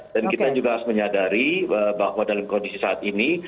dan kita juga harus menyadari bahwa dalam kondisi saat ini